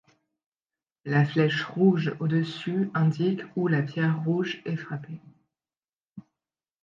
La flèche rouge au-dessus indique où la pierre rouge est frappée.